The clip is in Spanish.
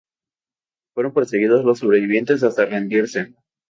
Fueron perseguidos los sobrevivientes hasta rendirse.